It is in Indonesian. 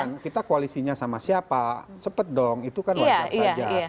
bukan kita koalisinya sama siapa cepet dong itu kan wajar saja